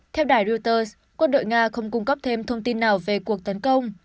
theo đài reuters quân đội nga không cung cấp thêm thông tin nào về cuộc tấn công